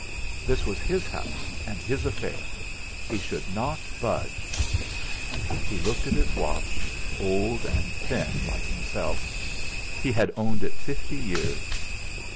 This was his house, and his affair; he should not budge! He looked at his watch, old and thin like himself; he had owned it fifty years.